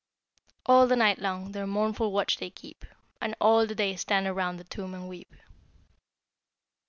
"'All the night long their mournful watch they keep, And all the day stand round the tomb and weep.'"